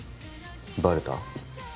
バレた？